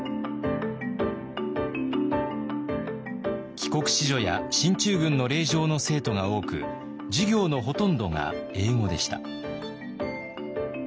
帰国子女や進駐軍の令嬢の生徒が多く授業のほとんどが英語でした。